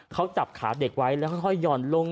เขาจับขาเด็กไว้แล้วค่อยห่อนลง